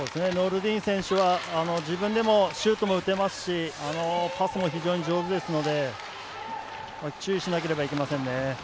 ノルディーン選手は自分でもシュートも打てますしパスも非常に上手ですので注意しなければいけません。